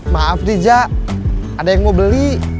maaf diza ada yang mau beli